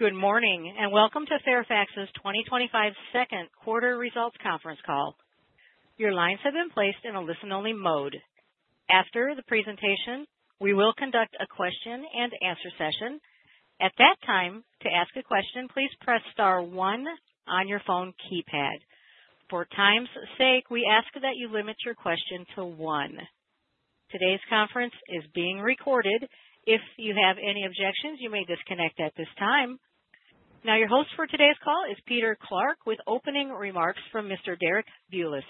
Good morning and welcome to Fairfax Financial Holdings Limited's 2025 Second Quarter Results Conference call. Your lines have been placed in a listen-only mode. After the presentation, we will conduct a question and answer session. At that time, to ask a question, please press star one on your phone keypad. For time's sake, we ask that you limit your question to one. Today's conference is being recorded, and if you have any objections, you may disconnect at this time. Now, your host for today's call is Peter Clarke with opening remarks from Mr. Derek Bulas.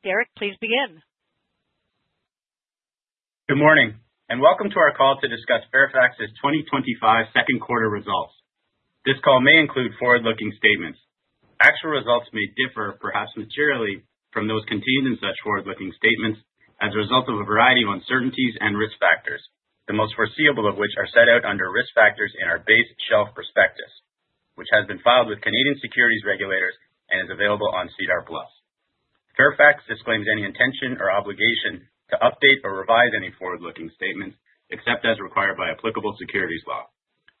Derek, please begin. Good morning and welcome to our call to discuss Fairfax's 2025 second quarter results. This call may include forward looking statements. Actual results may differ perhaps materially from those contained in such forward-looking statements as a result of a variety of uncertainties and risk factors, the most foreseeable of which are set out under Risk Factors in our Base Shelf Prospectus, which has been filed with Canadian securities regulators and is available on SEDAR Plus. Fairfax disclaims any intention or obligation to update or revise any forward-looking statements except as required by applicable securities law.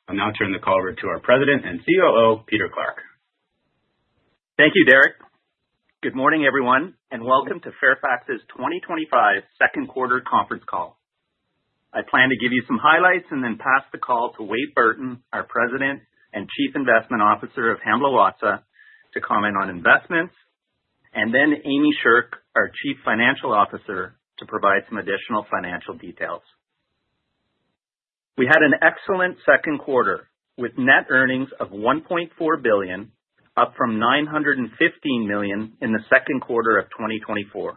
I'll now turn the call over to our President and COO, Peter Clarke. Thank you, Derek. Good morning everyone and welcome to Fairfax 's 2025 second quarter conference call. I plan to give you some highlights and then pass the call to Wade Burton, our President and CIO of Hamblin Watsa, to comment on investments and then Amy Sherk, our Chief Financial Officer, to provide some additional financial details. We had an excellent second quarter with net earnings of $1.4 billion, up from $915 million in the second quarter of 2024.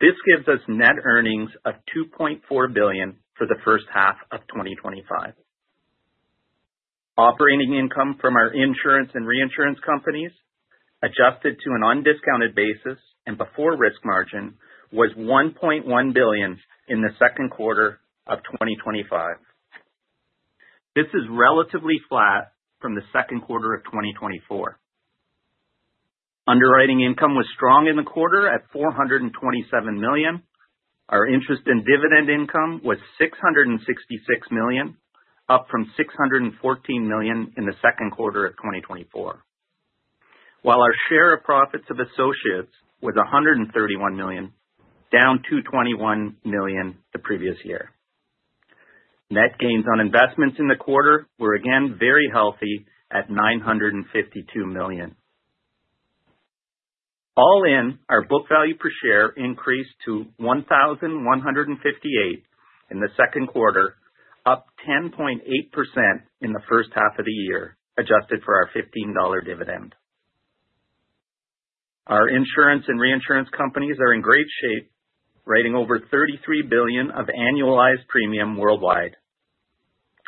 This gives us net earnings of $2.4 billion for the first half of 2025. Operating income from our insurance and reinsurance companies adjusted to an undiscounted basis and before risk margin was $1.1 billion in the second quarter of 2025. This is relatively flat from the second quarter of 2024. Underwriting income was strong in the quarter at $427 million. Our interest and dividend income was $666 million, up from $614 million in the second quarter of 2024, while our share of profits of associates was $131 million, down to $21 million previous year. Net gains on investments in the quarter were again very healthy at $952 million, all in. Our book value per share increased to $1,158 in the second quarter, up 10.8% in the first half of the year, adjusted for our $15 dividend. Our insurance and reinsurance companies are in great shape writing over $33 billion of annualized premium worldwide.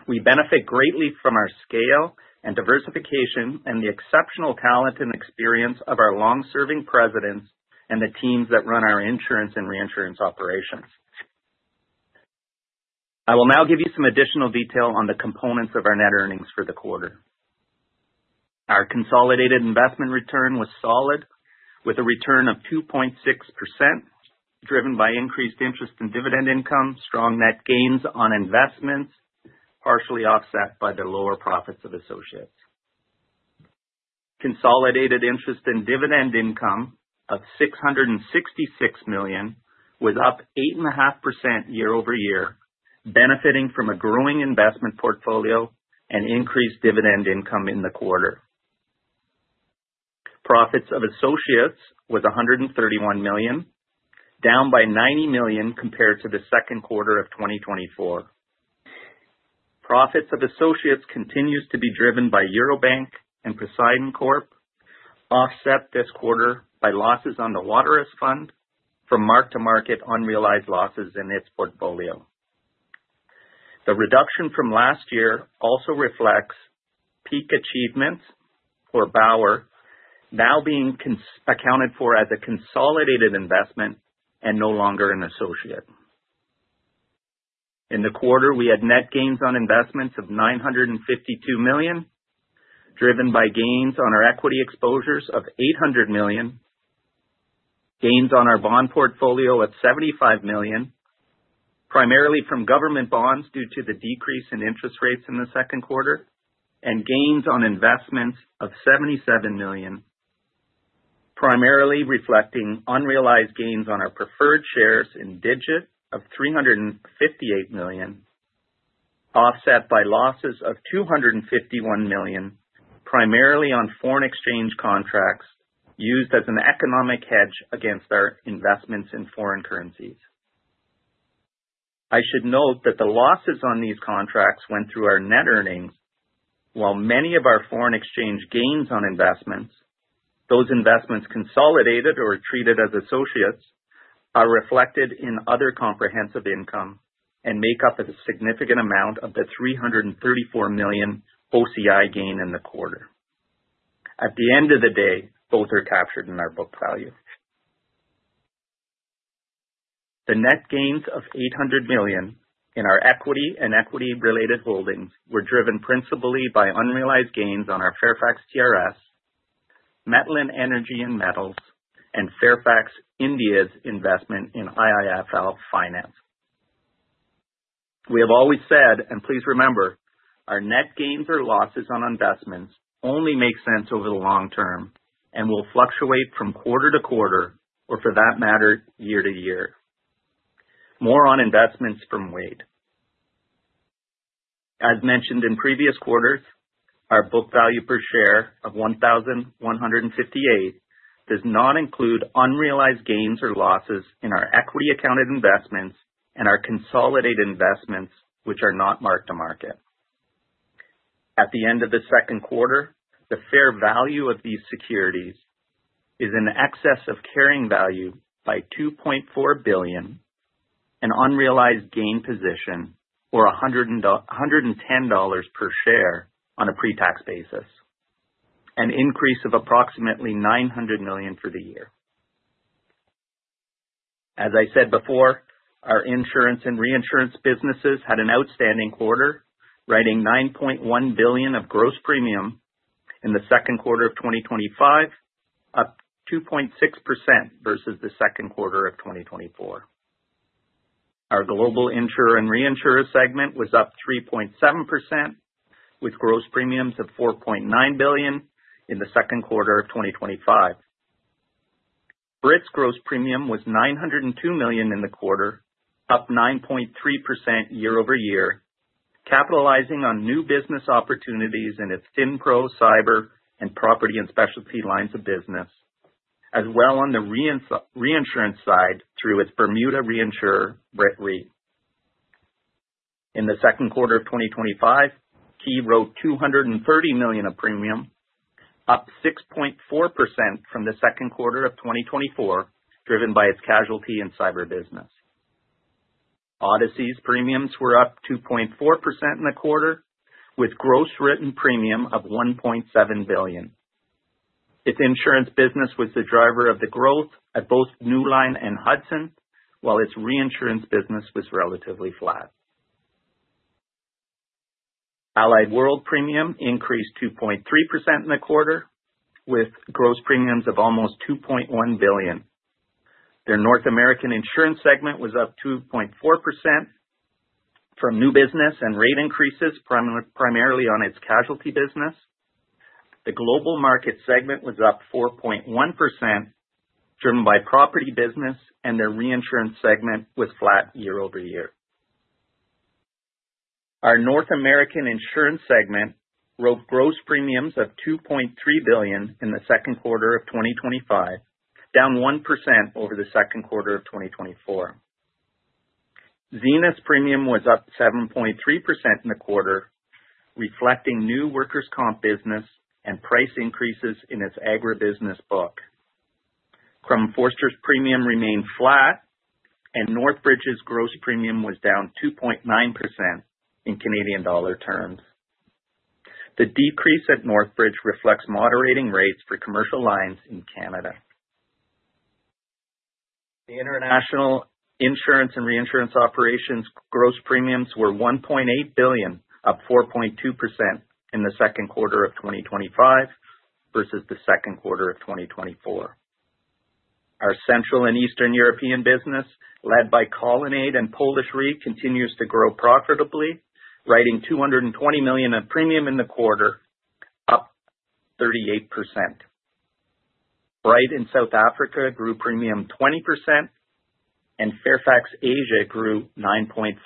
We benefit greatly from our scale and diversification and the exceptional talent and experience of our long serving presidents and the teams that run our insurance and reinsurance operations. I will now give you some additional detail on the components of our net earnings for the quarter. Our consolidated investment return was solid with a return of 2.6% driven by increased interest and dividend income, strong net gains on investments, partially offset by the lower profits of associates. Consolidated interest and dividend income of $666 million was up 8.5% year over year, benefiting from a growing investment portfolio and increased dividend income in the quarter. Profits of associates was $131 million, down by $90 million compared to the second quarter of 2024. Profits of associates continues to be driven by Eurobank and Poseidon, offset this quarter by losses on the Waterous Fund from mark to market unrealized losses in its portfolio. The reduction from last year also reflects Peak Achievement, or Bauer, now being accounted for as a consolidated investment and no longer an associate. In the quarter, we had net gains on investments of $952 million driven by gains on our equity exposures of $800 million, gains on our bond portfolio at $75 million, primarily from government bonds due to the decrease in interest rates in the second quarter, and gains on investments of $77 million, primarily reflecting unrealized gains on our preferred shares in Digit of $358 million, offset by losses of $251 million, primarily on foreign exchange contracts used as an economic hedge against our investments in foreign currencies. I should note that the losses on these contracts went through our net earnings while many of our foreign exchange gains on investments, those investments consolidated or treated as associates, are reflected in other comprehensive income and make up a significant amount of the $334 million OCI gain in the quarter. At the end of the day, both are captured in our book value. The net gains of $800 million in our equity and equity related holdings were driven principally by unrealized gains on our Fairfax TRS, Metland Energy and Metals, and Fairfax India's investment in IIFL Finance. We have always said, and please remember, our net gains or losses on investments only make sense over the long term and will fluctuate from quarter to quarter or for that matter year to year. More on investments from Wade. As mentioned in previous quarters, our book value per share of $1,158 does not include unrealized gains or losses in our equity accounted investments and our consolidated investments which are not mark-to-market at the end of the second quarter. The fair value of these securities is in excess of carrying value by $2.4 billion, an unrealized gain position or $110 per share on a pre-tax basis, an increase of approximately $900 million for the year. As I said before, our insurance and reinsurance businesses had an outstanding quarter writing $9.1 billion of gross premium in the second quarter of 2025, up 2.6% versus the second quarter of 2024. Our global insurer and reinsurer segment was up 3.7% with gross premiums of $4.9 billion in the second quarter of 2025. Brit's gross premium was $902 million in the quarter, up 9.3% year-over-year, capitalizing on new business opportunities in its cyber and property and specialty lines of business as well. On the reinsurance side, through its Bermuda reinsurer, in the second quarter of 2025, Ki wrote $230 million of premium, up 6.4% from the second quarter of 2024, driven by its casualty and cyber business. Odyssey's premiums were up 2.4% in the quarter with gross written premium of $1.7 billion. Its insurance business was the driver of the growth at both Newline and Hudson, while its reinsurance business was relatively flat. Allied World premium increased 2.3% in the quarter with gross premiums of almost $2.1 billion. Their North American Insurance segment was up 2.4% from new business and rate increases, primarily on its casualty business. The Global Market segment was up 4.1%, driven by property business, and their reinsurance segment was flat year-over-year. Our North American insurance segment drove gross premiums of $2.3 billion in the second quarter of 2025, down 1% over the second quarter of 2024. Zenith's premium was up 7.3% in the quarter, reflecting new workers comp business and price increases in its agribusiness book. Crum & Forster's premium remained flat, and Northbridge's gross premium was down 2.9% in Canadian dollar terms. The decrease at Northbridge reflects moderating rates for commercial lines in Canada. The International Insurance and Reinsurance operations gross premiums were $1.8 billion, up 4.2% in the second quarter of 2025 versus the second quarter of 2024. Our Central and Eastern European business, led by Colonnade and Polish Re, continues to grow profitably, writing $220 million of premium in the quarter, up 38%. Bryte in South Africa grew premium 20%, and Fairfax Asia grew 9.4%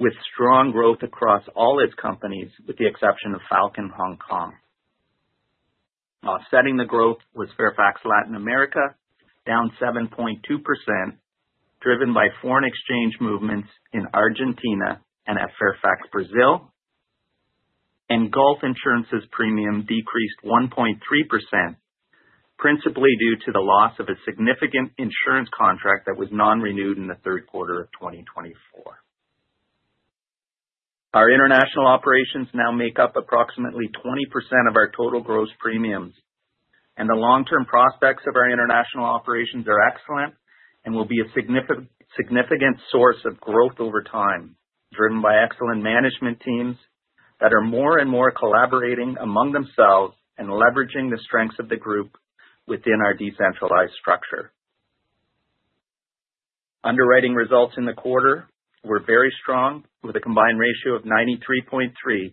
with strong growth across all its companies with the exception of Falcon Hong Kong. Offsetting the growth was Fairfax Latin America down 7.2%, driven by foreign exchange movements in Argentina and at Fairfax Brazil, and Gulf Insurance's premium decreased 1.3% principally due to the loss of a significant insurance contract that was non-renewed in the third quarter of 2024. Our international operations now make up approximately 20% of our total gross premiums, and the long-term prospects of our international operations are excellent and will be a significant source of growth over time, driven by excellent management teams that are more and more collaborating among themselves and leveraging the strengths of the group within our decentralized structure. Underwriting results in the quarter were very strong, with a combined ratio of 93.3,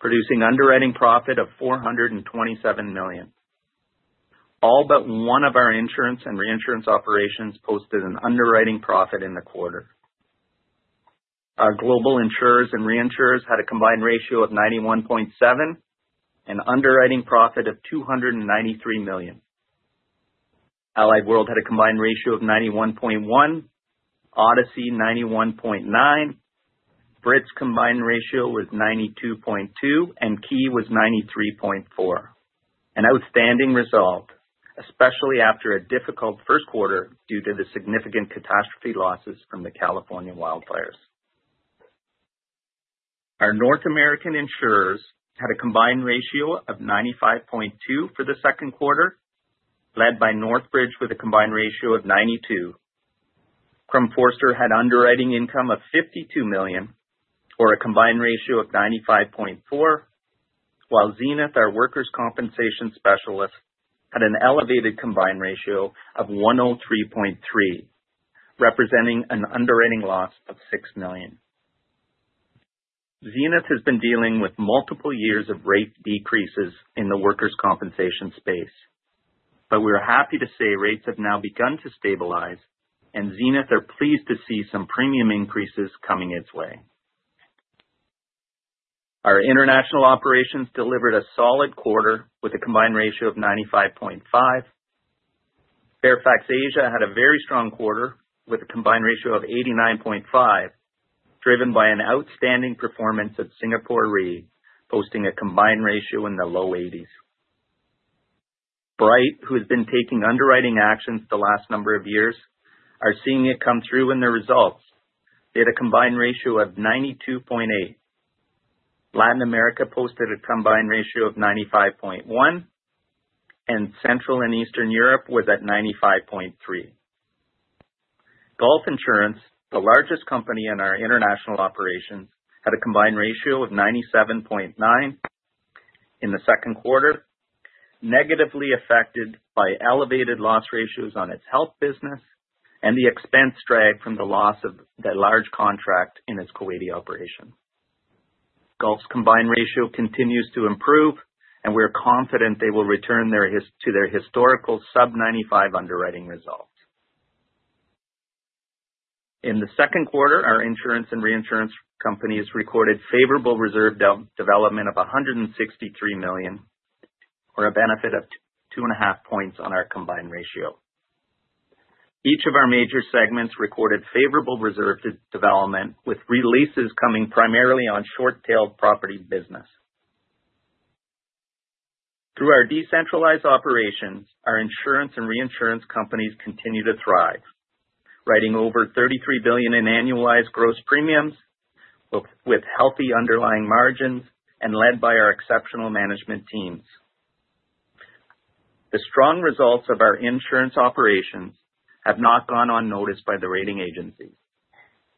producing underwriting profit of $427 million. All but one of our insurance and reinsurance operations posted an underwriting profit in the quarter. Our Global Insurers and Reinsurers had a combined ratio of 91.7 and underwriting profit of $293 million. Allied World had a combined ratio of 91.1, Odyssey 91.9, Brit's combined ratio was 92.2, and Ki was 93.4, an outstanding result especially after a difficult first quarter due to the significant catastrophe losses from the California wildfires. Our North American Insurers had a combined ratio of 95.2 for the second quarter, led by Northbridge with a combined ratio of 92. Crum & Forster had underwriting income of $52 million or a combined ratio of 95.4, while Zenith, our workers compensation specialist, had an elevated combined ratio of 103.3, representing an underwriting loss of $6 million. Zenith has been dealing with multiple years of rate decreases in the workers' compensation space, but we are happy to say rates have now begun to stabilize and Zenith are pleased to see some premium increases coming its way. Our international operations delivered a solid quarter with a combined ratio of 95.5. Fairfax Asia had a very strong quarter with a combined ratio of 89.5, driven by an outstanding performance at Singapore Re, posting a combined ratio in the low 80s. Brit, who has been taking underwriting actions the last number of years, are seeing it come through in their results. They had a combined ratio of 92.8, Latin America posted a combined ratio of 95.1, and Central and Eastern Europe was at 95.3. Gulf Insurance, the largest company in our international operations, had a combined ratio of 97.9 in the second quarter, negatively affected by elevated loss ratios on its health business and the expense drag from the loss of the large contract in its Kuwaiti operation. Gulf's combined ratio continues to improve, and we're confident they will return to their historical sub-95 underwriting result. In the second quarter, our insurance and reinsurance companies recorded favorable reserve development of $163 million, or a benefit of 2.5% on our combined ratio. Each of our major segments recorded favorable reserve development, with releases coming primarily on short-tailed property business. Through our decentralized operations, our insurance and reinsurance companies continue to thrive, writing over $33 billion in annualized gross premiums with healthy underlying margins and led by our exceptional management teams. The strong results of our insurance operations have not gone unnoticed by the rating agencies.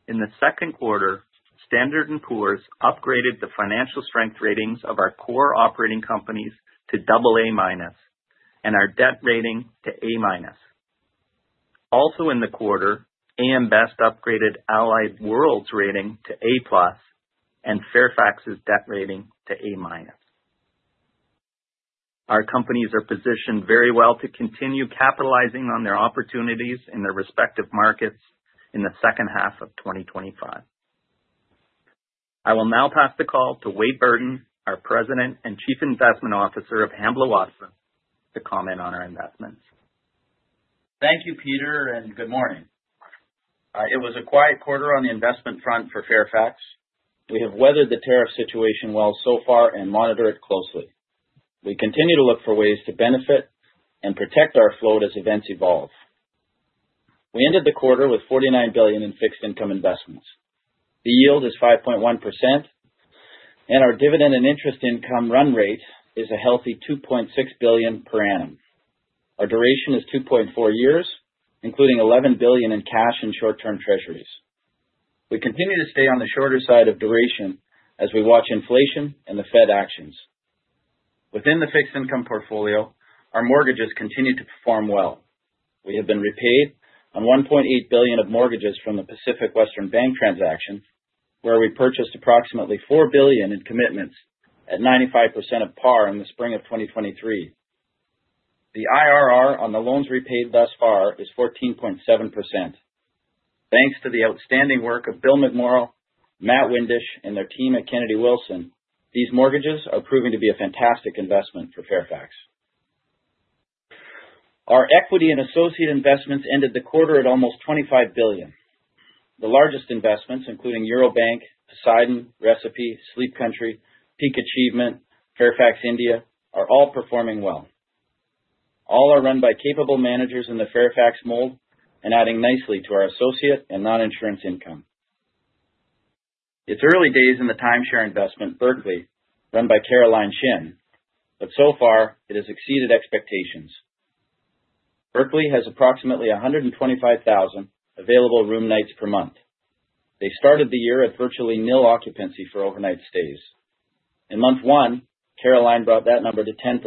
In the second quarter, Standard & Poor’s upgraded the financial strength ratings of our core operating companies to AA- and our debt rating to A-. Also in the quarter, AM Best upgraded Allied World's rating to A and Fairfax's debt rating to A-. Our companies are positioned very well to continue capitalizing on their opportunities in their respective markets in the second half of 2025. I will now pass the call to Wade Burton, our President and Chief Investment Officer of Hamblin Watsa, to comment on our investments. Thank you, Peter, and good morning. It was a quiet quarter on the investment front for Fairfax. We have weathered the tariff situation well so far and monitor it closely. We continue to look for ways to benefit and protect our float as events evolve. We ended the quarter with $49 billion in fixed income investments. The yield is 5.1%, and our dividend and interest income run rate is a healthy $2.6 billion per annum. Our duration is 2.4 years, including $11 billion in cash and short-term Treasuries. We continue to stay on the shorter side of duration as we watch inflation and the Fed actions. Within the fixed income portfolio, our mortgages continue to perform well. We have been repaid on $1.8 billion of mortgages from the Pacific Western Bank transaction, where we purchased approximately $4 billion in commitments at 95% of par in the spring of 2023. The IRR on the loans repaid thus far is 14.7% thanks to the outstanding work of Bill McMorrell, Matt Windish, and their team at Kennedy Wilson. These mortgages are proving to be a fantastic investment for Fairfax. Our equity and associate investments ended the quarter at almost $25 billion. The largest investments, including Eurobank, Poseidon, Recipe, Sleep Country, Peak Achievement, Fairfax India, are all performing well. All are run by capable managers in the Fairfax mold and adding nicely to our associate and non-insurance income. It's early days in the timeshare investment, Berkeley, run by Caroline Shin, but so far it has exceeded expectations. Berkeley has approximately 125,000 available room nights per month. They started the year at virtually nil occupancy for overnight stays. In month one, Caroline brought that number to 10%,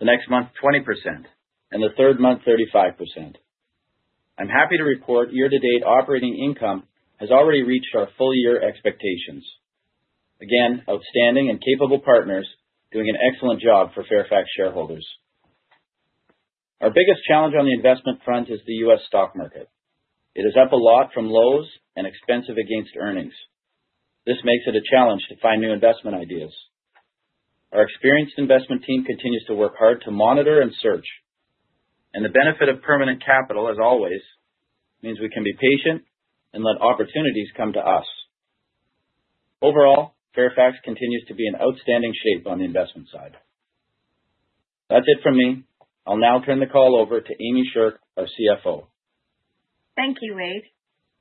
the next month 20%, and the third month 35%. I'm happy to report year-to-date operating income has already reached our full-year expectations. Again, outstanding and capable partners doing an excellent job for Fairfax shareholders. Our biggest challenge on the investment front is the U.S. stock market. It is up a lot from lows and expensive against earnings. This makes it a challenge to find new investment ideas. Our experienced investment team continues to work hard to monitor and search, and the benefit of permanent capital as always means we can be patient and let opportunities come to us. Overall, Fairfax continues to be in outstanding shape on the investment side. That's it from me. I'll now turn the call over to Amy Sherk, our CFO. Thank you, Wade.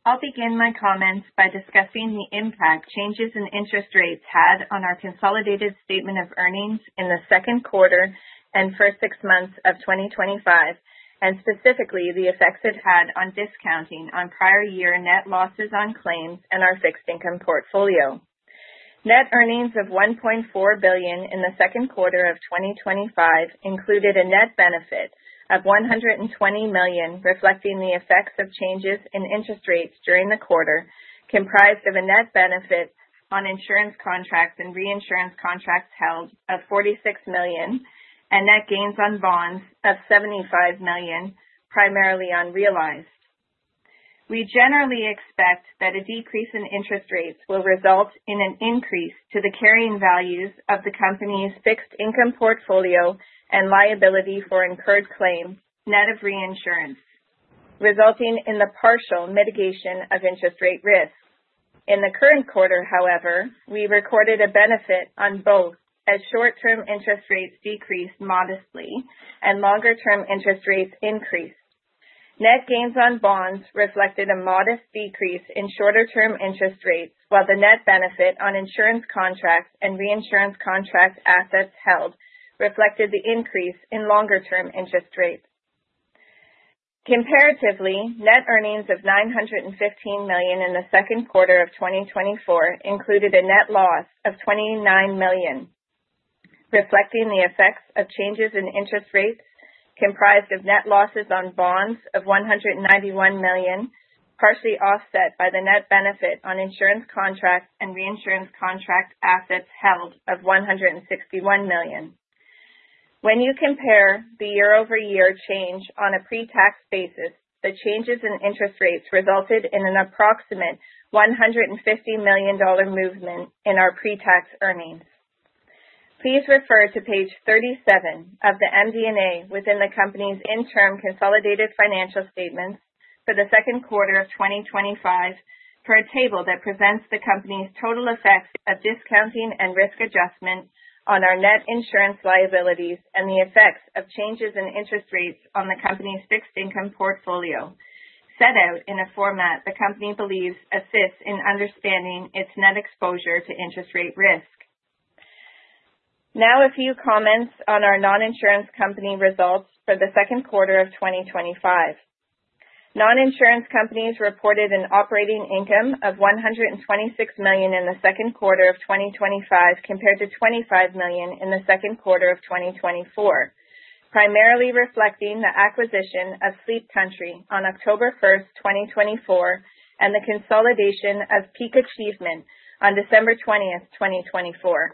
I'll begin my comments by discussing the impact changes in interest rates had on our consolidated statement of earnings in the second quarter and first six months of 2025, and specifically the effects it had on discounting on prior year net losses on claims and our fixed income portfolio. Net earnings of $1.4 billion in the second quarter of 2025 included a net benefit of $120 million reflecting the effects of changes in interest rates during the quarter, comprised of a net benefit on insurance contracts and reinsurance contracts held of $46 million and net gains on bonds of $75 million, primarily unrealized. We generally expect that a decrease in interest rates will result in an increase to the carrying values of the company's fixed income portfolio and liability for incurred claim net of reinsurance, resulting in the partial mitigation of interest rate risk. In the current quarter, however, we recorded a benefit on both as short-term interest rates decreased modestly and longer-term interest rates increased. Net gains on bonds reflected a modest decrease in shorter-term interest rates, while the net benefit on insurance contracts and reinsurance contract assets held reflected the increase in longer-term interest rates. Comparatively, net earnings of $915 million in the second quarter of 2024 included a net loss of $29 million reflecting the effects of changes in interest rates, comprised of net losses on bonds of $191 million, partially offset by the net benefit on insurance contracts and reinsurance contract assets held of $161 million. When you compare the year-over-year change on a pre-tax basis, the changes in interest rates resulted in an approximate $1,150 million movement in our pre-tax earnings. Please refer to page 37 of the MD&A within the company's interim consolidated financial statements for the second quarter of 2025 for a table that presents the company's total effects of discounting and risk adjustment on our net insurance liabilities and the effects of changes in interest rates on the company's fixed income portfolio set out in a format the company believes assists in understanding its net exposure to interest rate risk. Now a few comments on our non-insurance company results for the second quarter of 2025. Non-insurance companies reported an operating income of $126 million in the second quarter of 2025 compared to $25 million in the second quarter of 2024, primarily reflecting the acquisition of Sleep Country on October 1, 2024, and the consolidation of Peak Achievement on December 20, 2024.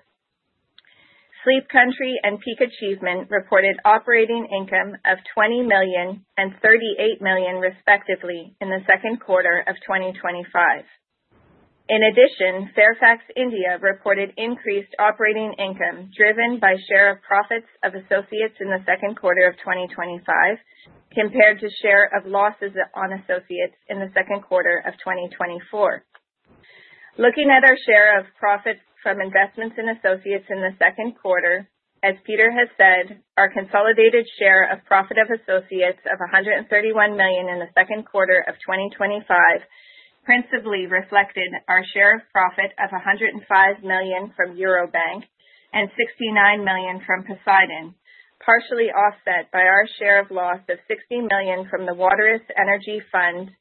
Sleep Country and Peak Achievement reported operating income of $20 million and $38 million, respectively, in the second quarter of 2025. In addition, Fairfax India reported increased operating income driven by share of profits of associates in the second quarter of 2025 compared to share of losses of associates in the second quarter of 2024. Looking at our share of profit from investments in associates in the second quarter, as Peter has said, our consolidated share of profit of associates of $131 million in the second quarter of 2025 principally reflected our share of profit of $105 million from Eurobank and $69 million from Poseidon, partially offset by our share of loss of $60 million from the Waterous Energy Fund,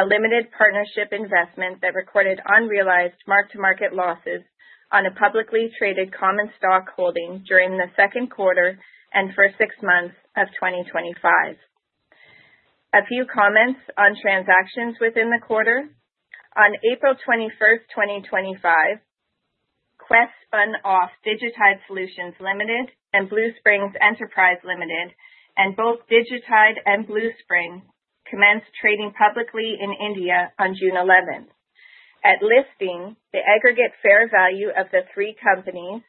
a limited partnership investment that recorded unrealized mark-to-market losses on a publicly traded common stock holding during the second quarter and first six months of 2025. A few comments on transactions within the quarter. On April 21st, 2025, Quess spun off Digitide Solutions Ltd and Blue Springs Enterprise Ltd, and both Digitide and Bluespring commenced trading publicly in India on June 11. At listing, the aggregate fair value of the three companies,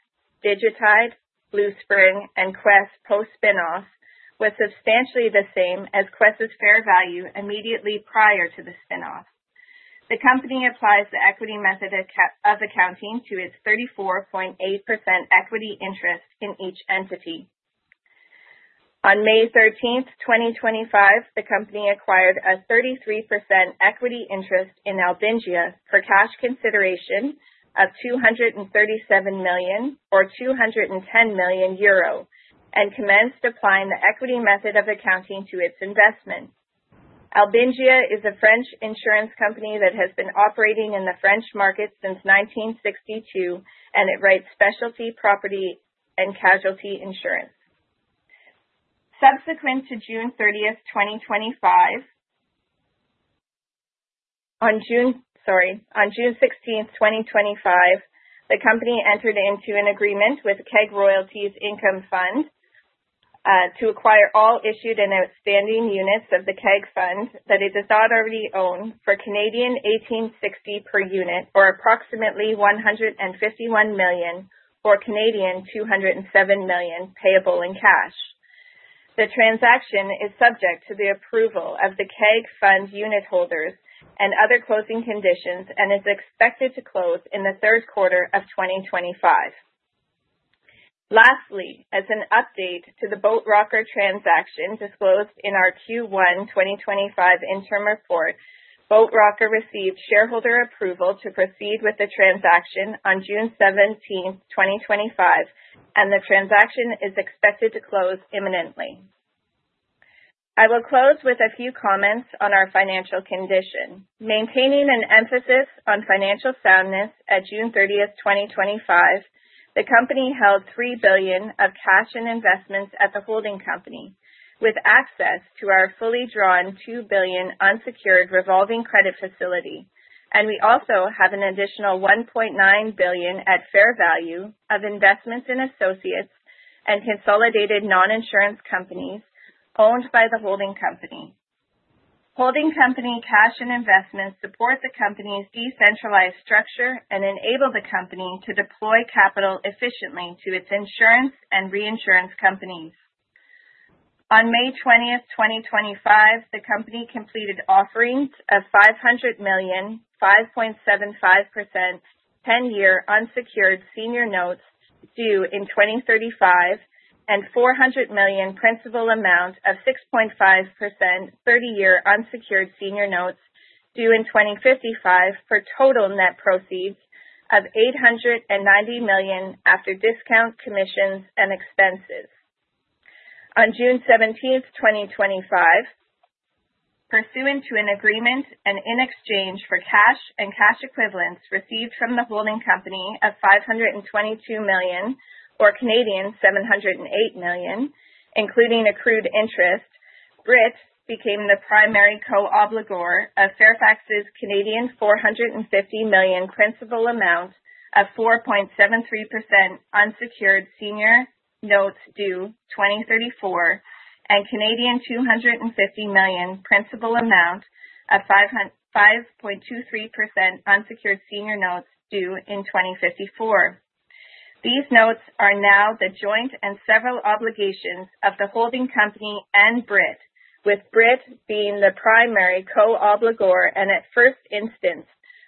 Digitide, Bluespring, and Quess post-spinoff, was substantially the same as Quess's fair value immediately prior to the spin. The company applies the equity method of accounting to its 34.8% equity interest in each entity. On May 13th, 2025, the company acquired a 33% equity interest in Albingia for cash consideration of $237 million or 210 million euro and commenced applying the equity method of accounting to its investment. Albingia is a French insurance company that has been operating in the French market since 1962 and it writes specialty property and casualty insurance. Subsequent to June 30, 2025, on June 16, 2025, the company entered into an agreement with The Keg Royalties Income Fund to acquire all issued and outstanding units of the Keg Fund that it does not already own for 18.60 per unit or approximately $151 million or 207 million payable in cash. The transaction is subject to the approval of The Keg Royalties Income Fund unitholders and other closing conditions and is expected to close in the third quarter of 2025. Lastly, as an update to the Boat Rocker transaction disclosed in our Q1 2025 interim report, Boat Rocker received shareholder approval to proceed with the transaction on June 17, 2025, and the transaction is expected to close imminently. I will close with a few comments on our financial condition, maintaining an emphasis on financial soundness. At June 30th, 2025, the company held $3 billion of cash and investments at the holding company with access to our fully drawn $2 billion unsecured revolving credit facility, and we also have an additional $1.9 billion at fair value of investments in associates and consolidated non-insurance companies owned by the holding company. Holding company cash and investments support the company's decentralized structure and enable the company to deploy capital efficiently to its insurance and reinsurance companies. On May 20th, 2025, the company completed offerings of $500 million 5.75% 10-year unsecured senior notes due in 2035 and $400 million principal amount of 6.5% 30-year unsecured senior notes due in 2055 for total net proceeds of $890 million after discount, commissions, and expenses. On June 17th, 2025, pursuant to an agreement and in exchange for cash and cash equivalents received from the holding company of $522 million or 708 million including accrued interest, Brit became the primary co-obligor of Fairfax's 450 million principal amount of 4.73% unsecured senior notes due 2034 and 250 million principal amount of 5.23% unsecured senior notes due in 2054. These notes are now the joint and several obligations of the holding company and Brit, with Brit being the primary co-obligor and at first instance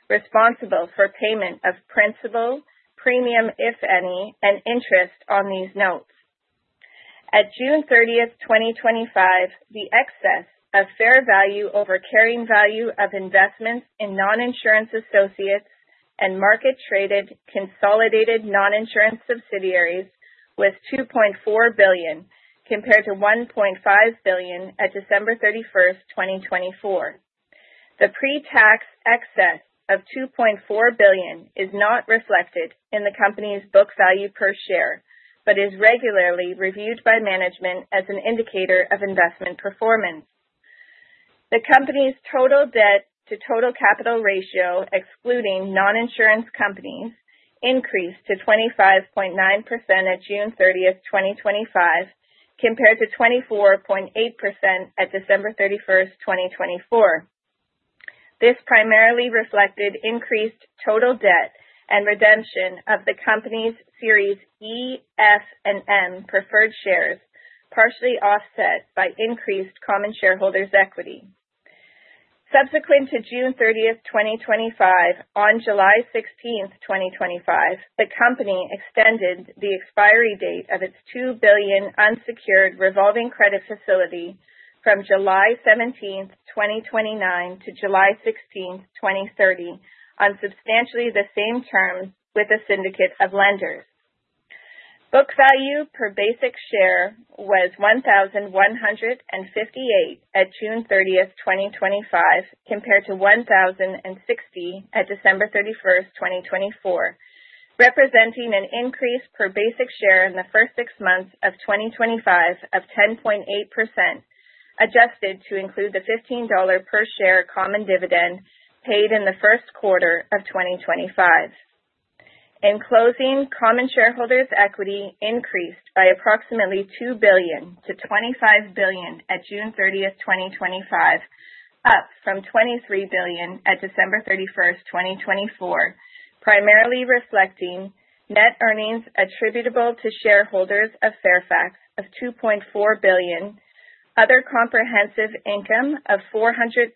responsible for payment of principal, premium, if any, and interest on these notes. At June 30th, 2025, the excess of fair value over carrying value of investments in non-insurance associates and market traded consolidated non-insurance subsidiaries was $2.4 billion compared to $1.5 billion at December 31st, 2024. The pre-tax excess of $2.4 billion is not reflected in the company's book value per share but is regularly reviewed by management as an indicator of investment performance. The company's total debt to total capital ratio excluding non-insurance companies increased to 25.9% at June 30th, 2025, compared to 24.8% at December 31st, 2024. This primarily reflected increased total debt and redemption of the Company's Series E, F, and M preferred shares, partially offset by increased common shareholders' equity subsequent to June 30th, 2025. On July 16th, 2025, the Company extended the expiry date of its $2 billion unsecured revolving credit facility from July 17th, 2029, to July 16th, 2030, on substantially the same terms with a syndicate of lenders. Book value per basic share was $1,158 at June 30th, 2025, compared to $1,060 at December 31st, 2024, representing an increase per basic share in the first six months of 2025 of 10.8%, adjusted to include the $15.00 per share common dividend paid in the first quarter of 2025. In closing, common shareholders' equity increased by approximately $2 billion to $25 billion at June 30th, 2025, up from $23 billion at December 31st, 2024, primarily reflecting net earnings attributable to shareholders of Fairfax of $2.4 billion. Other comprehensive income of $450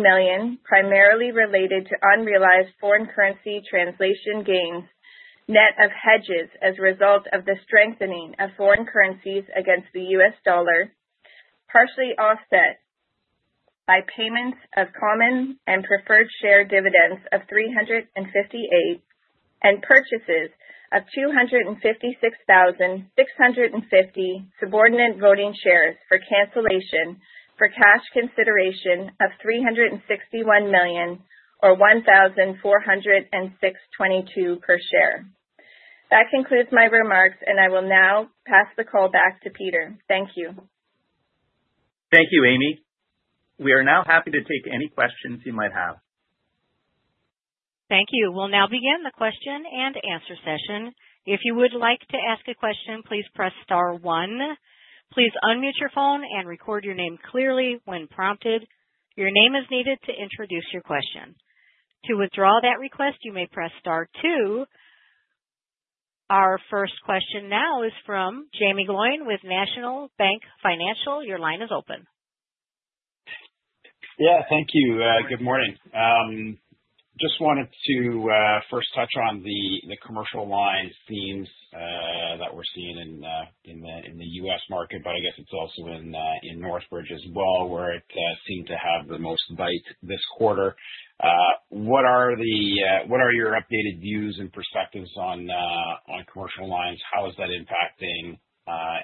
million, primarily related to unrealized foreign currency translation gains net of hedges as a result of the strengthening of foreign currencies against the U.S. Dollar, partially offset by payments of common and preferred share dividends of $358 million and purchases of 256,650 subordinate voting shares for cancellation for cash consideration of $361 million or $1,406.22 per share. That concludes my remarks and I will now pass the call back to Peter. Thank you. Thank you, Amy. We are now happy to take any questions you might have. Thank you. We'll now begin the question-and-answer session. If you would like to ask a question, please press star one. Please unmute your phone and record your name clearly when prompted. Your name is needed to introduce your question. To withdraw that request, you may press star two. Our first question now is from Jaeme Gloyn with National Bank Financial. Your line is open. Yes, thank you. Good morning. Just wanted to first touch on the commercial line themes that we're seeing in the U.S. market, but I guess it's also in Northbridge as well where it seemed to have the most bite this quarter. What are your updated views and perspectives on commercial lines? How is that impacting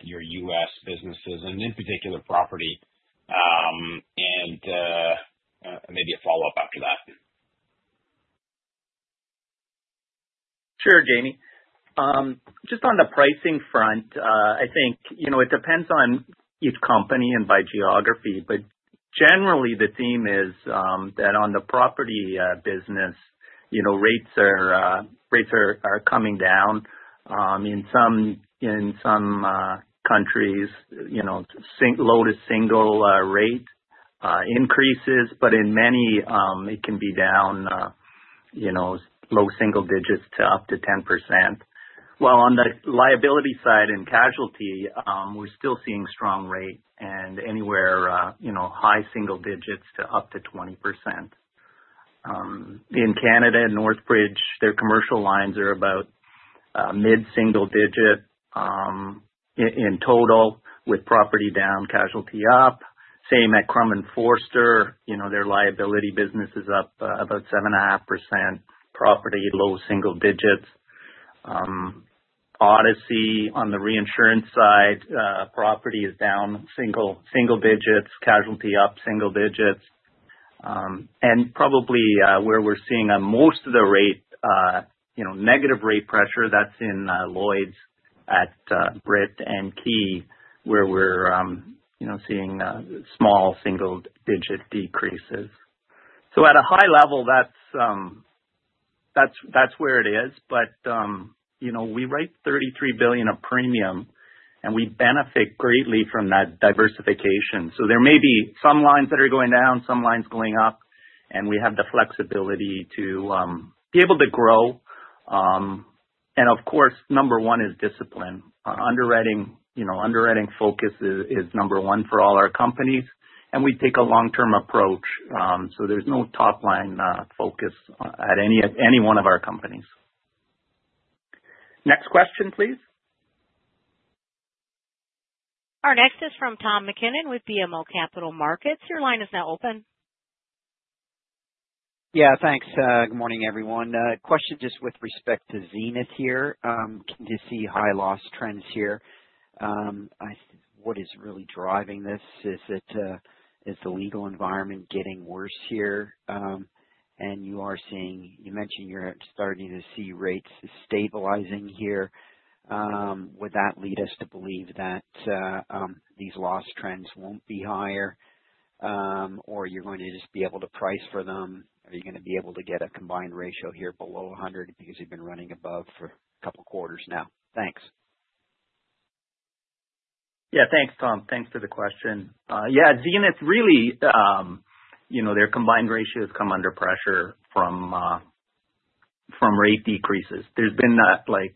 your U.S. businesses and in particular property and maybe a follow-up after that? Sure, Jaeme, just on the pricing front, I think it depends on each company and by geography. Generally the theme is that on the property business, rates are coming down. In some countries, low to single rate increases, but in many it can be down low single-digits to up to 10% while on the liability side and casualty we're still seeing strong rate and anywhere high single digits to up to 20%. In Canada and Northbridge, their commercial lines are about mid-single digit in total with property down, casualty up. Same at Crum & Forster, their liability business is up about 7.5%. Property low single-digits. Odyssey on the reinsurance side, property is down single digits, casualty up single digits and probably where we're seeing most of the negative rate pressure. That's in Lloyd's at Brit and Ki where we're seeing small single digit decreases. At a high level, that's where it is. We write $33 billion of premium and we benefit greatly from that diversification. There may be some lines that are going down, some lines going up and we have the flexibility to be able to grow. Of course, number one is discipline. Underwriting focus is number one for all our companies and we take a long-term approach. There is no top line focus at any one of our companies. Next question please. Our next is from Tom MacKinnon with BMO Capital Markets. Your line is now open. Yeah, thanks. Good morning everyone. Question just with respect to Zenith here, do you see high loss trends here? What is really driving this? Is the legal environment getting worse here and you are seeing, you mentioned you're starting to see rates stabilizing here. Would that lead us to believe that these loss trends won't be higher or you're going to just be able to price for them? Are you going to be able to get a combined ratio here below 100? Because you've been running above for a couple quarters now. Thanks. Yeah, thanks Tom. Thanks for the question. Yeah, Zenith really, you know, their combined ratios come under pressure from rate decreases. There's been like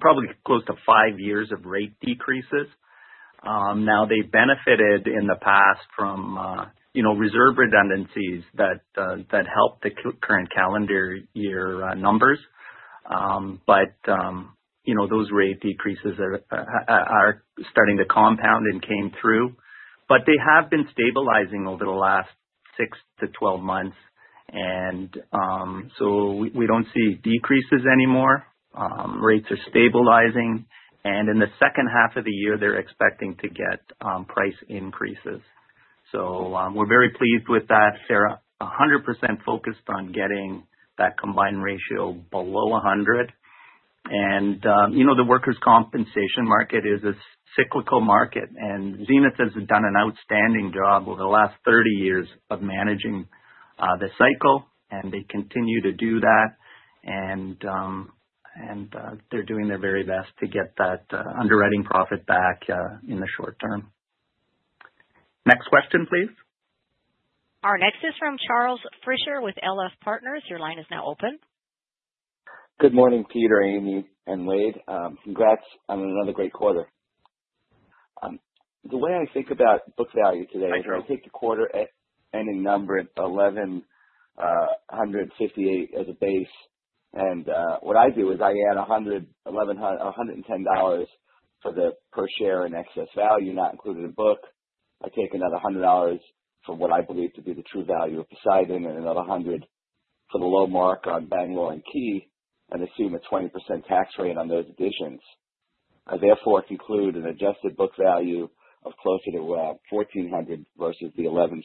probably close to five years of rate decreases. They benefited in the past from, you know, reserve redundancies that help the current calendar year numbers. Those rate decreases are starting to compound and came through. They have been stabilizing over the last six to twelve months. We don't see decreases anymore. Rates are stabilizing and in the second half of the year they're expecting to get price increases. We're very pleased with that. They're 100% focused on getting that combined ratio below 100. You know, the workers compensation market is a cyclical market. Zenith has done an outstanding job over the last 30 years of managing the cycle and they continue to do that. They're doing their very best to get that underwriting profit back in the short term. Next question, please. Our next is from Charles Frischer with LF Partners. Your line is now open. Good morning, Peter, Amy, and Wade. Congrats on another great quarter. The way I think about book value today is I take the quarter ending number at $1,158 as a base, and what I do is I add $100, $110 for the per share in excess value not included in book. I take another $100 for what I believe to be the true value of Poseidon and another $100 for the low mark on Bannual and Key and assume a 20% tax rate on those additions. I therefore conclude an adjusted book value of closer to $1,400 versus the $1,150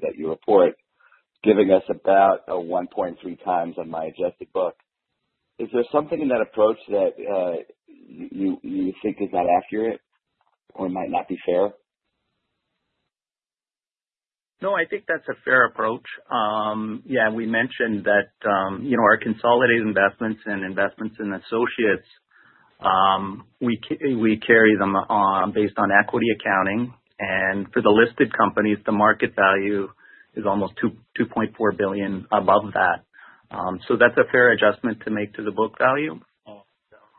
that you report, giving us about 1.3 times on my adjusted book. Is there something in that approach that you think is not accurate or might not be fair? No, I think that's a fair approach. Yes. We mentioned that our consolidated investments and investments in associates, we carry them based on equity accounting. For the listed companies, the market value is almost $2.4 billion above that. That's a fair adjustment to make to the book value.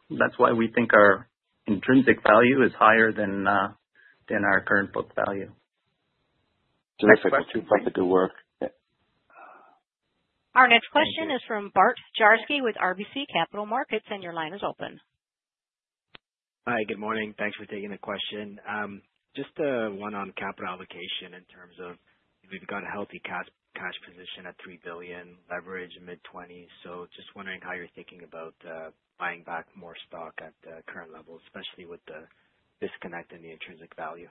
That's why we think our intrinsic value is higher than our current book value. Our next question is from Bart Dziarski with RBC Capital Markets. Your line is open. Hi, good morning. Thanks for taking the question. Just one on capital allocation in terms of we've got a healthy cash position at $3 billion, leverage mid-20s. Just wondering how you're thinking about buying back more stock at the current level, especially with the disconnect in the intrinsic value.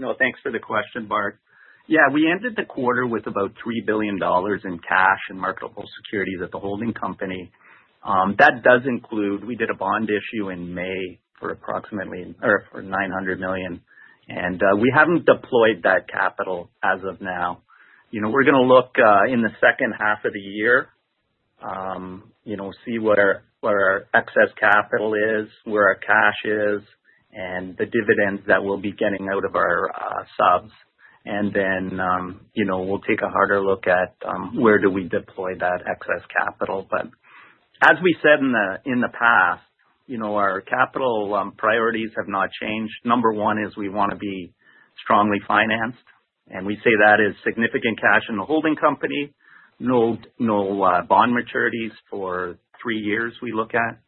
No. Thanks for the question, Bart. Yeah, we ended the quarter with about $3 billion in cash and marketable securities at the holding company. That does include, we did a bond issue in May for approximately $900 million, and we haven't deployed that capital as of now. We're going to look in the second half of the year, see where our excess capital is, where our cash is, and the dividends that we'll be getting out of our subs. Then we'll take a harder look at where do we deploy that excess capital. As we said in the past, our capital priorities have not changed. Number one is we want to be strongly financed. We say that is significant cash in the holding company, no bond maturities for three years. We look at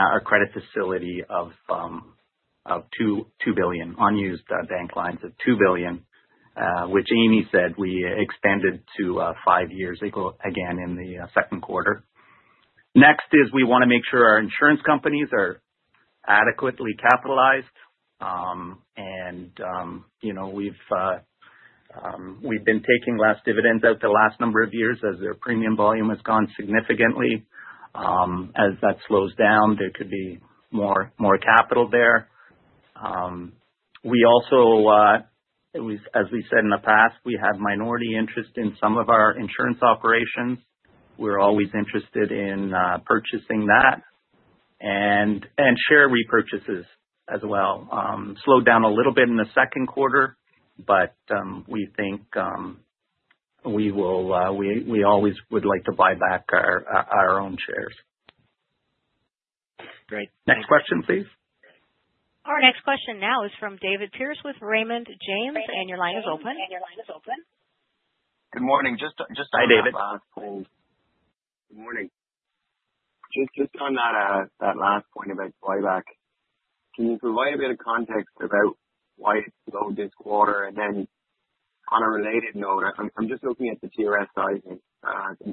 our credit facility of $2 billion, unused bank lines of $2 billion, which Amy said we expanded to five years ago, again in the second quarter. Next is we want to make sure our insurance companies are adequately capitalized. We've been taking last dividends out the last number of years as their premium volume has gone significantly. As that slows down, there could be more capital there. As we said in the past, we have minority interest in some of our insurance operations. We're always interested in purchasing that and share repurchases as well. Slowed down a little bit in the second quarter, but we think we will. We always would like to buy back our own shares. Great. Next question, please. Our next question now is from David Pierse with Raymond James. Your line is open. Good morning. Hi, David. Just on that last point about buyback, can you provide a bit of context about why it's slowed this quarter? On a related note, I'm just looking at the TRS sizing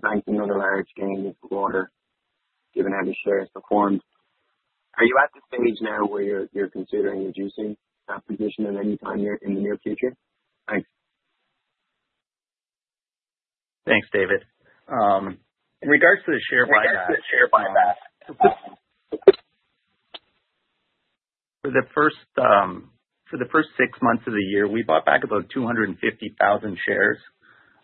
thanks to another large gain this quarter. Given how the shares performed, are you at the stage now where you're considering reducing that position at any time in the near future? Thanks, David. In regards to the share buyback, for the first six months of the year, we bought back about 250,000 shares,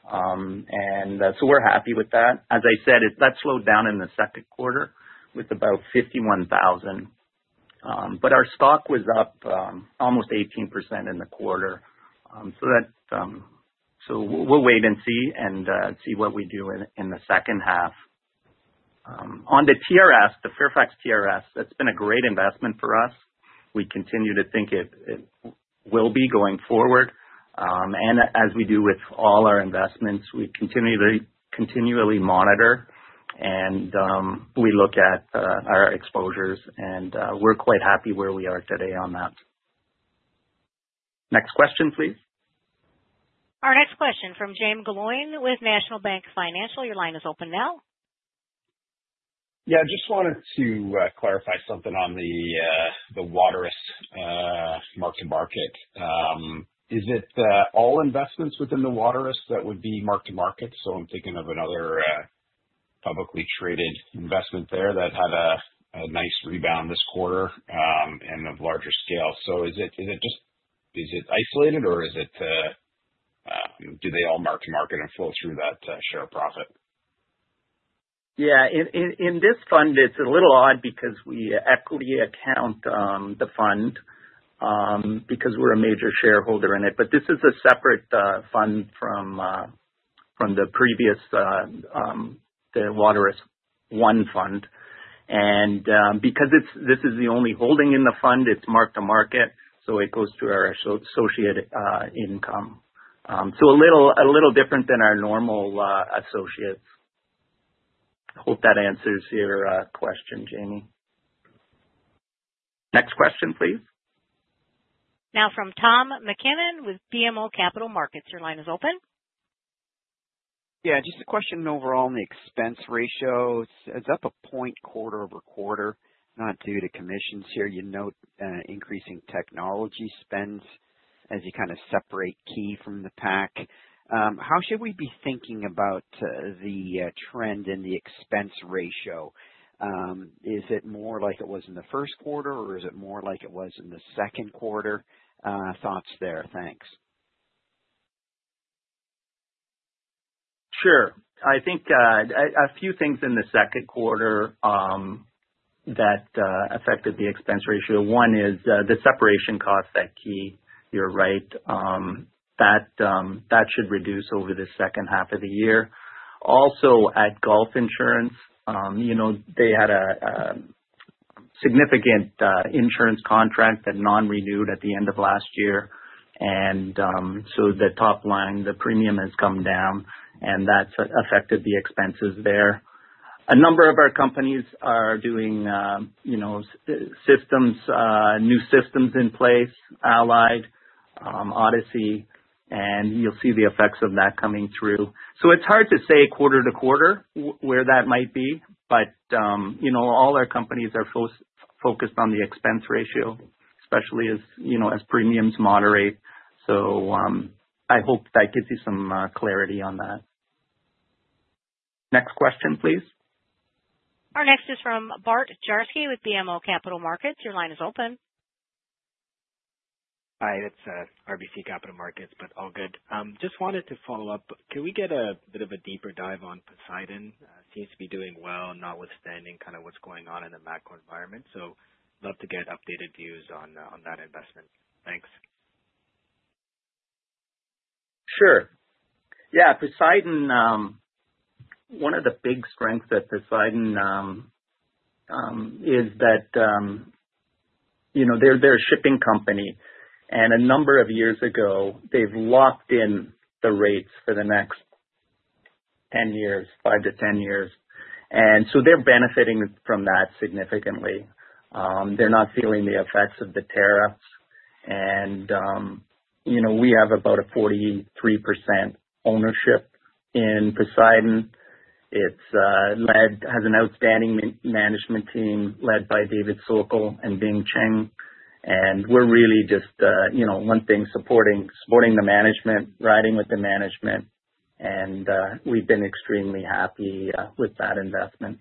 and we're happy with that. As I said, that slowed down in the second quarter with about 51,000, but our stock was up almost 18% in the quarter. We'll wait and see what we do in the second half. On the TRS, the Fairfax TRS, that's been a great investment for us. We continue to think it will be going forward. As we do with all our investments, we continually monitor and we look at our exposures, and we're quite happy where we are today on that. Next question, please. Our next question from James with National Bank Financial. Your line is open now. Yeah. Just wanted to clarify something. On the Waterous mark to market, is it all investments within the Waterous that would be mark to market? I'm thinking of another publicly traded investment there that had a nice rebound this quarter and of larger scale. Is it isolated or do they all mark to market and flow through that share profit? Yeah, in this fund it's a little odd because we equity account the fund because we're a major shareholder in it. This is a separate fund from the previous Waterous one fund. Because this is the only holding in the fund, it's mark to market so it goes to our associate income. A little different than our normal associates. Hope that answers your question, Jamie. Next question please. Now from Tom MacKinnon with BMO Capital Markets, your line is open. Yes. Just a question. Overall on the expense ratio, it's up a point quarter over quarter, not due to commissions. Here you note increasing technology spends as you kind of separate key from the pack. How should we be thinking about the trend in the expense ratio? Is it more like it was in the first quarter or is it more like it was in the second quarter? Thoughts there? Thanks. Sure. I think a few things in the second quarter that affected the expense ratio. One is the separation cost at Key. You're right, that should reduce over the second half of the year. Also at Gulf Insurance, you know they had a significant insurance contract that non-renewed at the end of last year and the top line, the premium, has come down and that's affected the expenses there. A number of our companies are doing new systems in place, Allied, Odyssey, and you'll see the effects of that coming through. It's hard to say quarter to quarter where that might be. All our companies are focused on the expense ratio, especially as premiums moderate. I hope that gives you some clarity on that. Next question please. Our next is from Bart Dziarski with BMO Capital Markets. Your line is open. Hi, it's RBC Capital Markets, but all good. Just wanted to follow up. Can we get a bit of a deeper dive on Poseidon? Seems to be doing well notwithstanding kind of what's going on in the macro-environment. Love to get updated views on that investment. Thanks. Sure. Yeah. Poseidon, one of the big strengths at Poseidon is that they're a shipping company, and a number of years ago they locked in the rates for the next 10 years, five to 10 years, and they're benefiting from that significantly. They're not feeling the effects of the tariffs, and we have about a 43% ownership in Poseidon. It has an outstanding management team led by David Sokol and Bing Cheng, and we're really just supporting the management, riding with the management, and we've been extremely happy with that investment.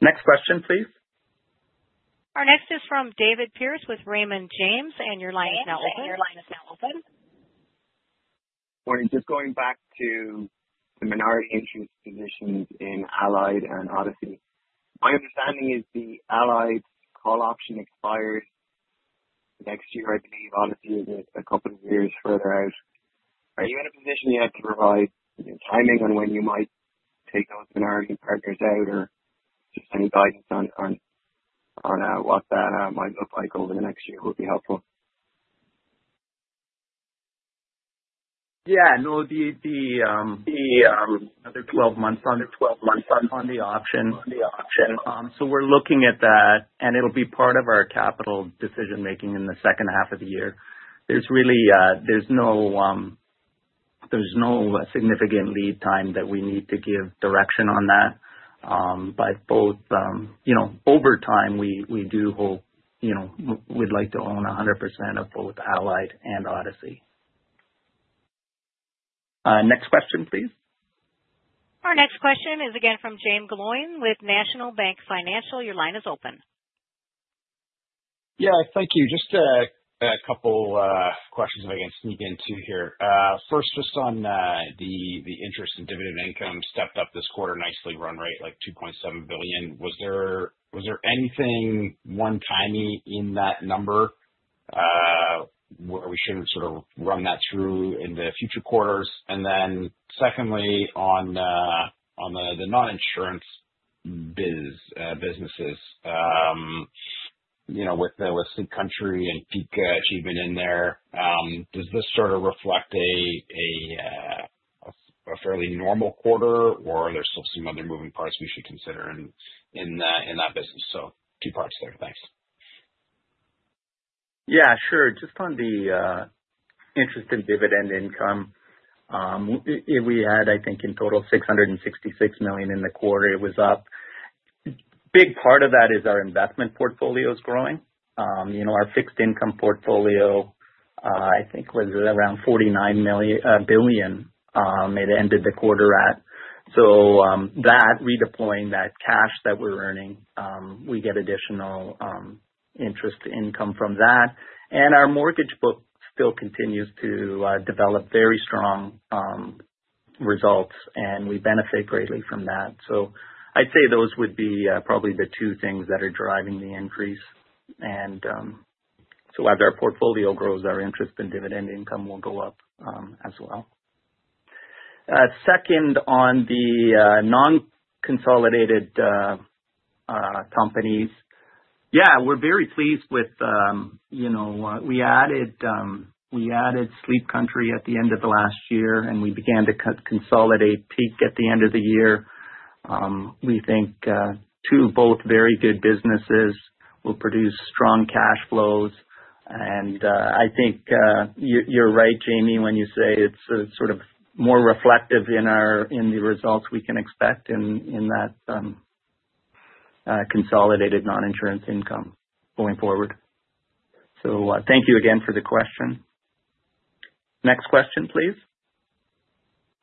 Next question, please. Our next is from David Pierse with Raymond James. Your line is now open. Your line is now open. Morning. Just going back to the minority interest positions in Allied World and Odyssey. My understanding is the Allied World call option expires next year. I believe Odyssey is honestly a couple of years further out. Are you in a position yet to provide timing on when you might take those minority partners out or just any guidance on what that might look like over the next year would be helpful. Yeah, no, the other 12 months on the 12 months on the option. We're looking at that and it'll be part of our capital decision making in the second half of the year. There's really no significant lead time that we need to give direction on that. Both, you know, over time we do hope, you know, we'd like to own 100% of both Allied World and Odyssey. Next question please. Our next question is again from James with National Bank Financial. Your line is open. Yes, thank you. Just a couple questions if I can sneak in here. First, just on the interest and dividend income stepped up this quarter nicely, run rate like $2.7 billion. Was there anything one-timey in that number where we shouldn't sort of run that through in the future quarters? And then secondly, on the non insurance businesses with Sleep Country and Peak Achievement in there, does this sort of reflect a fairly normal quarter or are there still some other moving parts we should consider in that business? So two parts there. Thanks. Yeah, sure. Just on the interest and dividend income, we had, I think in total, $666 million in the quarter. It was up big. Part of that is our investment portfolio is growing. You know, our fixed income portfolio I think was around $49 billion. It ended the quarter at that. Redeploying that cash that we're earning, we get additional interest income from that, and our mortgage book still continues to develop very strong results, and we benefit greatly from that. I'd say those would be probably the two things that are driving the increase. As our portfolio grows, our interest and dividend income will go up as well. Second, on the non consolidated companies, yes, we're very pleased with. We added Sleep Country at the end of last year, and we began to consolidate Peak at the end of the year. We think two both very good businesses will produce strong cash flows. I think you're right, Jaeme, when you say it's sort of more reflective in the results we can expect in that consolidated non insurance income going forward. Thank you again for the question. Next question, please.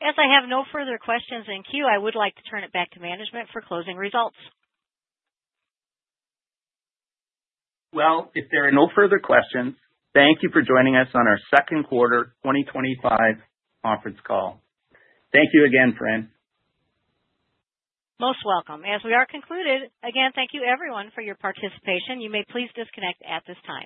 As I have no further questions in queue, I would like to turn it back to management for closing results. If there are no further questions, thank you for joining us on our second quarter 2025 conference call. Thank you again, Fran. Most welcome. As we are concluded again, thank you everyone for your participation. You may please disconnect at this time.